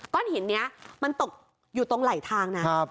ก้นหินเนี่ยมันตกอยู่ตรงไหล่ทางนะ